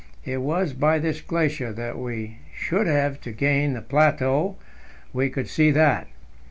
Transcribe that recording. It was by this glacier that we should have to gain the plateau; we could see that.